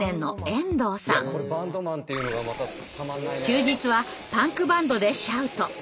休日はパンクバンドでシャウト。